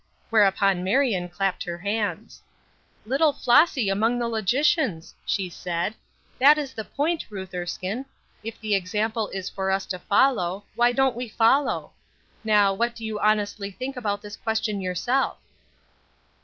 Whereupon Marion clapped her hands. "Little Flossy among the logicians!" she said. "That is the point, Ruth Erskine. If the example is for us to follow, why don't we follow? Now, what do you honestly think about this question yourself?"